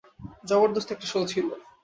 জবরদস্ত একটা শো ছিল।